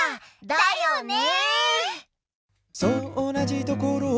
だよね！